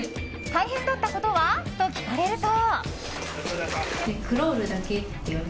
大変だったことはと聞かれると。